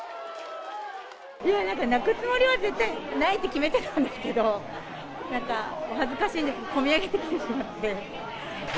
なんか泣くつもりは絶対ないって決めてたんですけど、なんか恥ずかしいんですけど、こみあげてきてしまって。